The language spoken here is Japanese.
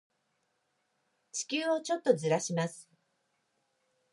地球をちょっとずらします。